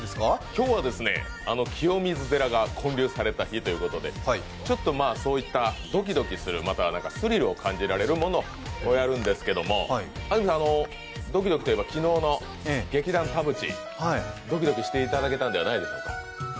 今日は清水寺が建立された日ということでちょっと、そういったドキドキするますはスリルを感じられるものをやるんですけども安住さん、ドキドキといえば昨日の劇団田渕、ドキドキしていただけたんじゃないでしょうか。